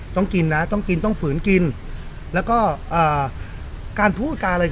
ต้องกินนะต้องกินต้องฝืนกินแล้วก็เอ่อการพูดการอะไร